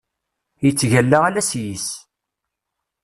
Yettgalla ala s yis-s.